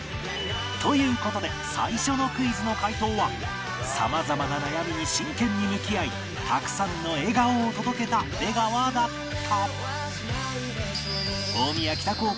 という事で最初のクイズの解答は様々な悩みに真剣に向き合いたくさんの笑顔を届けた出川だった